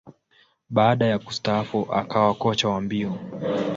Baada ya kustaafu, akawa kocha wa mbio.